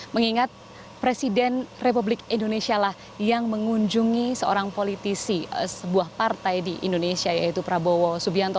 mengingat presiden republik indonesia lah yang mengunjungi seorang politisi sebuah partai di indonesia yaitu prabowo subianto